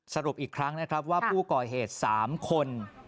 สรุปอีกครั้งนะครับว่าผู้ก่อเหตุ๓คน